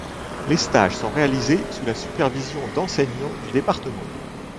Les stages sont réalisés sous la supervision d'enseignants du Département.